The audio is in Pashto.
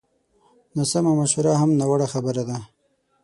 ناسمه مشوره هم ناوړه خبره ده